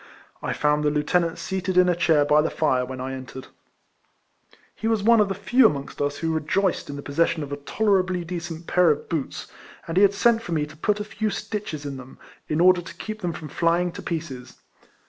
I found the lieutenant seated in a chair by the fire when I 190 RECOLLECTIONS OF entered. He was one of the few amongst us who rejoiced in the possession of a tolerably decent pair of boots, and he had sent for me to put a few stitches in them ; in order to keep them from flying to pieces.